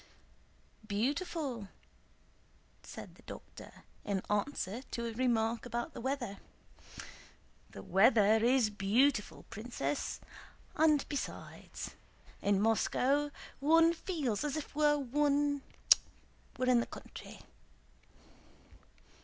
"Beautiful," said the doctor in answer to a remark about the weather. "The weather is beautiful, Princess; and besides, in Moscow one feels as if one were in the country."